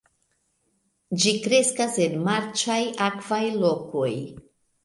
Ĝi kreskas en marĉaj, akvaj lokoj.